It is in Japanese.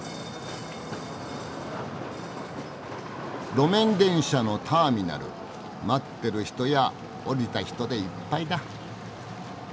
路面電車のターミナル待ってる人や降りた人でいっぱいだ。